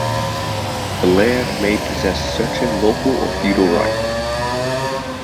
The laird may possess certain local or feudal rights.